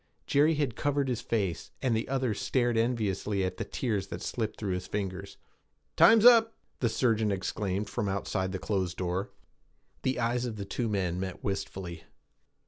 Jerry had covered his face, and the other stared enviously at the tears that slipped through his fingers. 'Time is up!' the surgeon exclaimed from outside the closed door. The eyes of the two men met wistfully.